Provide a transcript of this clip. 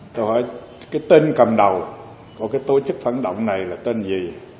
tôi hỏi cái tên cầm đầu của cái tổ chức phản động này là tên gì